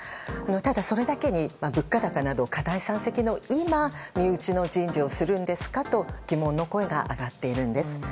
ただそれだけに物価高の課題山積の今身内の人事をするんですかと疑問の声が上がっているんです。